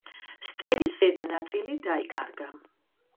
სტელის ზედა ნაწილი დაიკარგა.